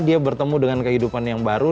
dia bertemu dengan kehidupan yang baru